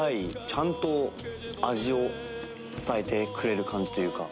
ちゃんと味を伝えてくれる感じというか。